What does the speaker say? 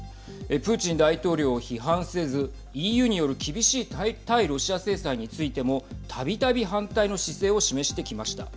プーチン大統領を批判せずＥＵによる厳しい対ロシア制裁についてもたびたび反対の姿勢を示してきました。